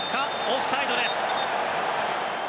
オフサイドです。